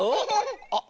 あっ。